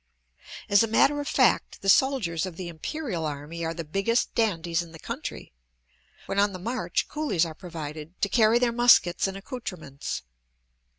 As a matter of fact, the soldiers of the Imperial army are the biggest dandies in the country; when on the march coolies are provided to carry their muskets and accoutrements.